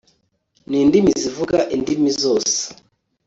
nindimi zivuga indimi zose